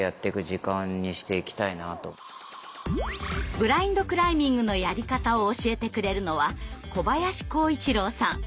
ブラインドクライミングのやり方を教えてくれるのは小林幸一郎さん。